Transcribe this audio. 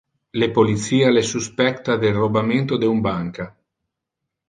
Le policia le suspecta del robamento de un banca.